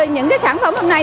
những cái sản phẩm hôm nay